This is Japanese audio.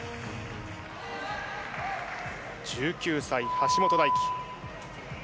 １９歳、橋本大輝。